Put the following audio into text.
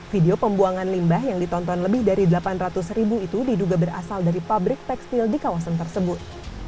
video pembuangan limbah yang ditonton lebih dari delapan ratus ribu itu diduga berasal dari pabrik tekstil di kawasan tersebut